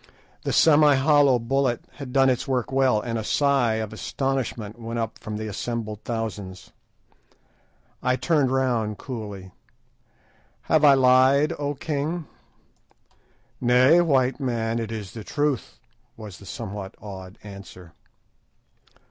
The semi hollow bullet had done its work well, and a sigh of astonishment went up from the assembled thousands. I turned round coolly— "Have I lied, O king?" "Nay, white man, it is the truth," was the somewhat awed answer.